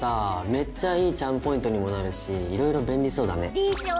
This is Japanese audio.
めっちゃいいチャームポイントにもなるしいろいろ便利そうだね。でしょ。